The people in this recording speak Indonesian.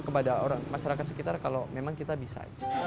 kepada masyarakat sekitar kalau memang kita bisa